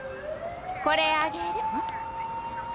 これあげる。